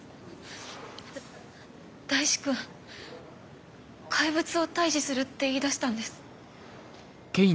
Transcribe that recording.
大志くん怪物を退治するって言いだしたんです。